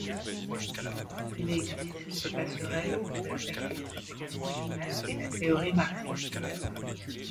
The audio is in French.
Il existe des passerelles entre la perspective transnationale et la théorie marxiste.